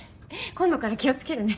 今度から気をつけるね。